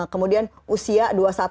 kemudian usia dua puluh satu